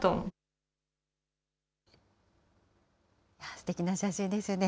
すてきな写真ですね。